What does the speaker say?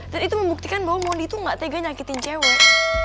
dan itu membuktikan bahwa mondi tuh gak tega nyakitin cewek